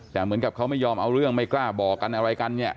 แต่เหมือนกับเขาไม่ยอมเอาเรื่องไม่กล้าบอกกันอะไรกันเนี่ย